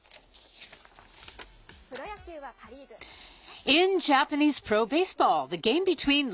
プロ野球はパ・リーグ。